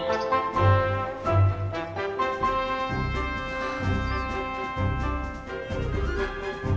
はあ。